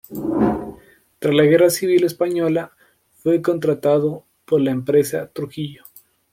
Tras la guerra civil española fue contratado por la empresa Trujillo.